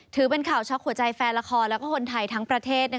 ถือเป็นข่าวช็อกหัวใจแฟนละครและคนไทยทั้งประเทศ